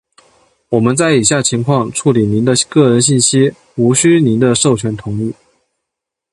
我们在以下情况下处理您的个人信息无需您的授权同意：